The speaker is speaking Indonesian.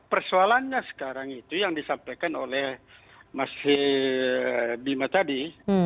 persoalannya sekarang itu yang disampaikan oleh mas bima tadi